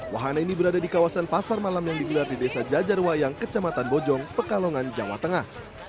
wahana ini berada di kawasan pasar malam yang digelar di desa jajarwayang kecamatan bojong pekalongan jawa tengah